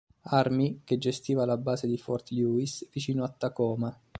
Army", che gestiva la base di Fort Lewis vicino a Tacoma.